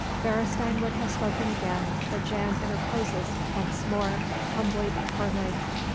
Beresteyn would have spoken again but Jan interposes once more, humbly but firmly.